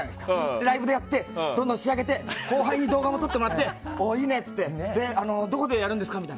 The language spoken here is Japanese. ライブでやってどんどん仕上げて後輩に動画もとってもらっていいねってなってで、どこでやるんですかみたいな。